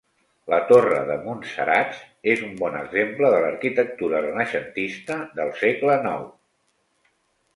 La torre de Muntsaratz és un bon exemple de l'arquitectura renaixentista del segle IX.